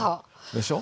でしょ。